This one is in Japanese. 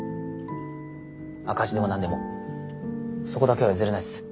赤字でも何でもそこだけは譲れないっす。